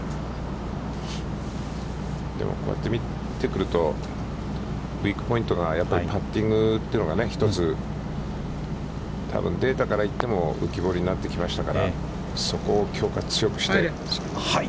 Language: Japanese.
こうやって見てくるとウイークポイントがパッティングというのがね、一つ多分データからいっても浮き彫りになってきましたから、そこを強化、強くして。